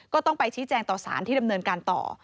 ก็ต้องไปชี้แจงต่อสารที่ดำเนินการต่อ